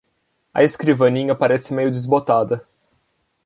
A escrivaninha parece meio desbotada